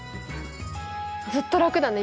ずっと楽だね